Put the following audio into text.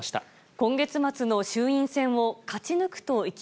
今月末の衆院選を勝ち抜くと意気